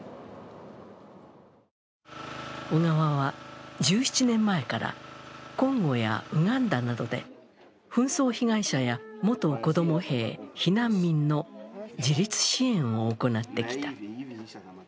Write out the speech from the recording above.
小川は１７年前から、コンゴやウガンダなどで紛争被害者や元子供兵避難民の自立支援を行ってきた。